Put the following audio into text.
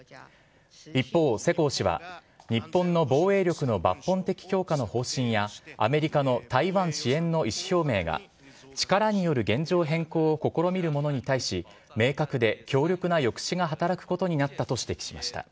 一方、世耕氏は日本の防衛力の抜本的強化の方針やアメリカの台湾支援の意思表明が力による現状変更を試みる者に対し明確で強力な抑止が働くことになったと指摘しました。